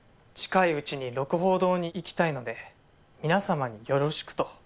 近いうちに鹿楓堂に行きたいので皆様によろしくと。